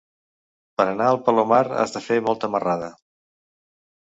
Per anar al Palomar has de fer molta marrada.